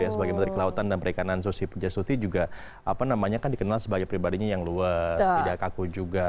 sebagai menteri kelautan dan perikanan susi pujasuti juga apa namanya kan dikenal sebagai pribadinya yang luas tidak kaku juga